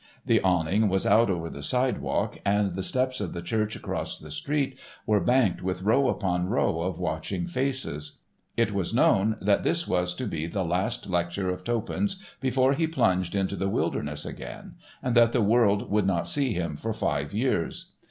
The awning was out over the sidewalk and the steps of the church across the street were banked with row upon row of watching faces. It was known that this was to be the last lecture of Toppan's before he plunged into the wilderness again, and that the world would not see him for five years.